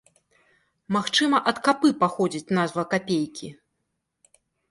Магчыма ад капы паходзіць назва капейкі.